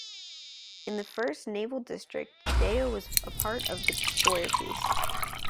In the First Naval District, Deyo was a part of the destroyer piece.